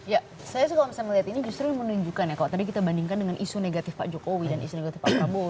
ya saya sih kalau misalnya melihat ini justru menunjukkan ya kalau tadi kita bandingkan dengan isu negatif pak jokowi dan isu negatif pak prabowo